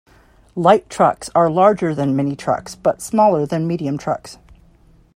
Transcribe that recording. Light trucks are larger than mini trucks but smaller than medium trucks.